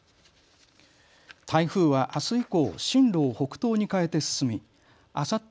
台風はあす以降、進路を北東に変えて進みあさって